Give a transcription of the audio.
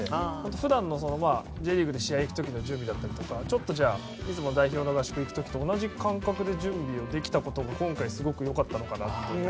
普段のＪリーグで試合に行く時の準備だったりちょっといつも代表の合宿行く時と同じ感覚で準備できたことが今回、すごく良かったのかなと。